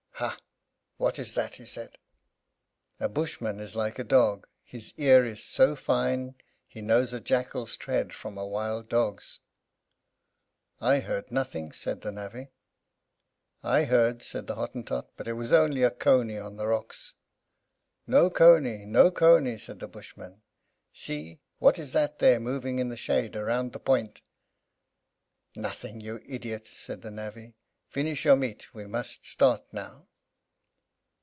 "Ha! what is that?" he said. A Bushman is like a dog: his ear is so fine he knows a jackal's tread from a wild dog's. "I heard nothing," said the navvy. "I heard," said the Hottentot; "but it was only a cony on the rocks." "No cony, no cony," said the Bushman; "see, what is that there moving in the shade round the point?" "Nothing, you idiot!" said the navvy. "Finish your meat; we must start now."